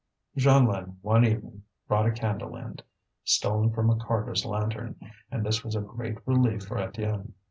Jeanlin one evening brought a candle end, stolen from a carter's lantern, and this was a great relief for Étienne.